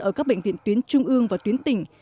ở các bệnh viện tuyến trung ương và tuyến tỉnh